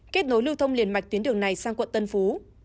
kết nối lưu thông liền mạch tuyến đường này sang quận tân phú